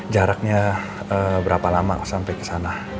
jaraknya berapa lama sampai ke sana